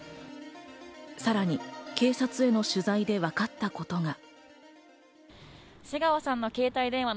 さらに警察への取材で分かったことが。